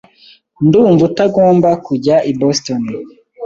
Ndumva utagomba kujya i Boston